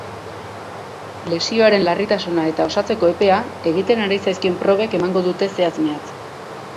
Lesioaren larritasuna eta osatzeko epea, egiten ari zaizkion probek emango dute zehatz-mehatz.